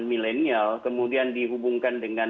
millenial kemudian dihubungkan dengan